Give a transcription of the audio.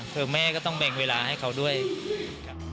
คือแม่ก็ต้องแบ่งเวลาให้เขาด้วยครับ